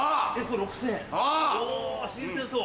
お新鮮そう！